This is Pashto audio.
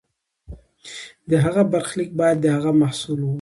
د هغه برخلیک باید د هغه محصول وي.